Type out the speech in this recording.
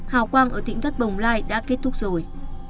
hào quang ở tỉnh thất bồng lai đã kết thúc rồi